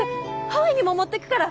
ハワイにも持ってくから！